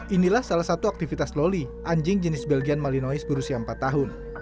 inilah salah satu aktivitas loli anjing jenis belgian malinois berusia empat tahun